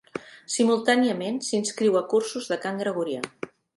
Simultàniament s'inscriu a cursos de cant gregorià.